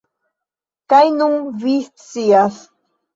Kaj nun vi scias